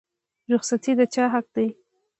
رخصتي د چا حق دی؟